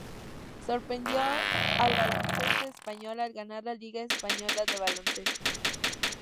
Sorprendió al baloncesto español al ganar la liga española de baloncesto.